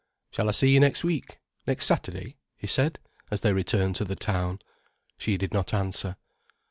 "Shall I see you next week—next Saturday?" he said, as they returned to the town. She did not answer.